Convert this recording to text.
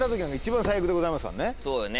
そうだね。